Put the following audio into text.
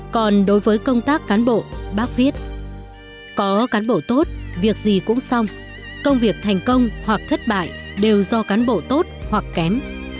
còn đối với công tác cán bộ bác viết có cán bộ tốt việc gì cũng xong công việc thành công hoặc thất bại đều do cán bộ tốt hoặc kém